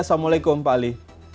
assalamualaikum pak ali